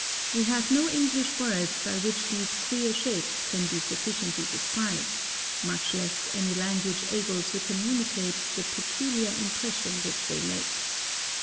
We have no English words by which these queer shapes can be sufficiently described, — much less any lan guage able to communicate the peculiar im pression which they make.